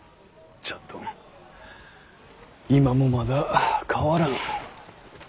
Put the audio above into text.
じゃっどん今もまだ変わらん。